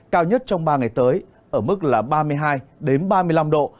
cao nhất trong ba ngày tới ở mức là ba mươi hai ba mươi năm độ